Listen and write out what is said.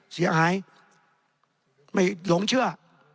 เสียหายไม่หลงเชื่อ